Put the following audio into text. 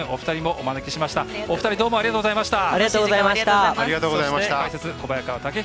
皆様もありがとうございました。